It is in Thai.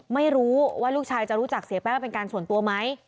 ไม่รู้ว่าลูกชายจะรู้จักเสียแป้งเป็นการส่วนตัวไหม